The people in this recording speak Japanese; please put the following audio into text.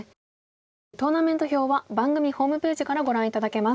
トーナメント表は番組ホームページからご覧頂けます。